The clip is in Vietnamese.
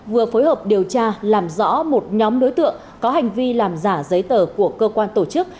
vừa phối hợp điều tra làm rõ một nhóm đối tượng có hành vi làm giả giấy tờ của cơ quan tổ chức